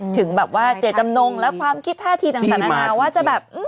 ถึงแบบว่าเจตตำนงและความคิดท่าทีทั้งสันอาหารว่าจะแบบอื้ม